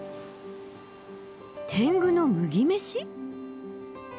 天狗の麦飯？